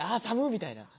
みたいな。